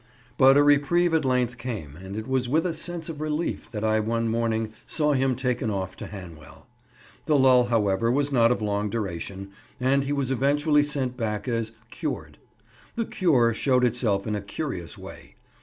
But a reprieve at length came, and it was with a sense of relief that I one morning saw him taken off to Hanwell. The lull, however, was not of long duration; and he was eventually sent back as "cured." The cure showed itself in a curious way.